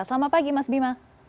selamat pagi mas bima